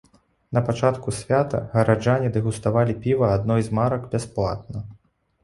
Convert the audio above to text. На пачатку свята гараджане дэгуставалі піва адной з марак бясплатна.